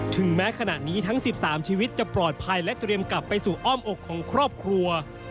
ถึงแม้ขณะนี้ทั้ง๑๓ชีวิตจะปลอดภัยและเตรียมกลับไปสู่อ้อมอกของครอบครัว